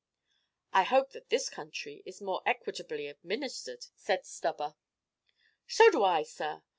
"I hope that this country is more equitably administered," said Stubber. "So do I, sir.